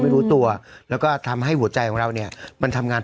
ไม่รู้ตัวแล้วก็ทำให้หัวใจของเราเนี่ยมันทำงาน